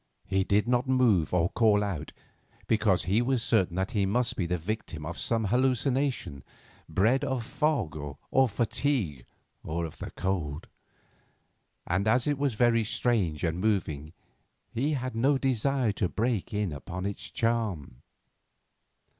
He did not move or call out, because he was certain that he must be the victim of some hallucination, bred of fog, or of fatigue, or of cold; and, as it was very strange and moving, he had no desire to break in upon its charm.